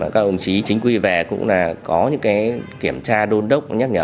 các đồng chí chính quy về cũng là có những kiểm tra đôn đốc nhắc nhở